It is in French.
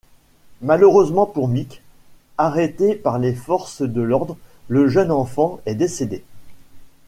Malheureusement pour Mick, arrêté par les forces de l'ordre, le jeune enfant est décédé.